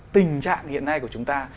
tình trạng hiện nay của chúng ta